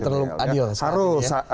berarti tidak terlalu adil